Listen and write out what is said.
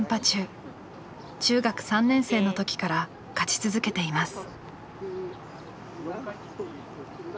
中学３年生の時から勝ち続けています。